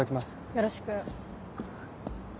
よろしく。